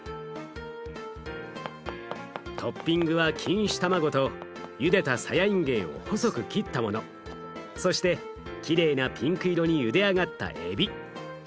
トッピングは錦糸卵とゆでたさやいんげんを細く切ったものそしてきれいなピンク色にゆで上がったえび。